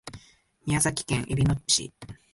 宮崎県えびの市